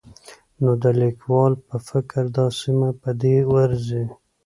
نو د ليکوال په فکر چې دا سيمه په دې ارځي